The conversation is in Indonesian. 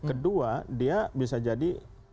kedua dia bisa jadi